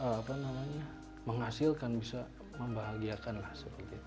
apa namanya menghasilkan bisa membahagiakan lah seperti itu